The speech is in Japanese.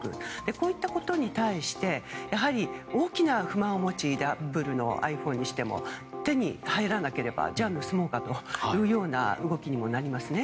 そうしたことについてやはり、大きな不満を持ちアップルのｉＰｈｏｎｅにしても手に入らなければ盗もうかという動きになりますね。